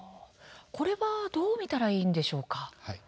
これは、どう見たらいいんでしょうか。